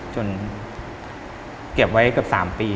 จนเก็บไว้เกือบสามปี